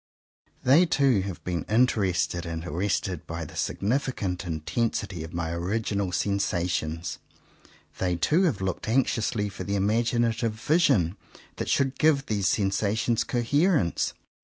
They too have been interested and ar rested by the significant intensity of my original sensations. They too have looked anxiously for the imaginative vision that should give these sensations coherence.